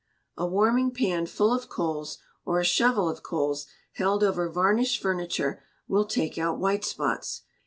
A warming pan full of coals, or a shovel of coals, held over varnished furniture, will take out white spots.